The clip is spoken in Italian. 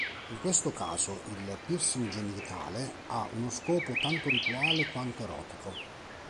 In questo caso il piercing genitale ha uno scopo tanto rituale quanto erotico.